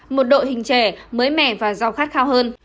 một đội hình trẻ mới mẻ và giàu khách